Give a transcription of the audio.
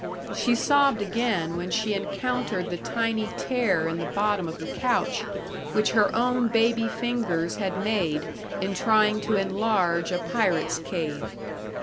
She sobbed again when she encountered the tiny tear in the bottom of the couch, which her own baby fingers had made in trying to enlarge a pirate's cave.